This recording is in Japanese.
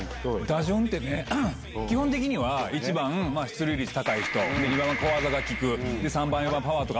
基本的には１番出塁率高い人２番は小技が利く３番４番パワーとか。